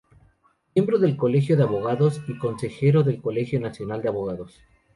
Miembro del Colegio de Abogados y Consejero del Colegio Nacional de Abogados.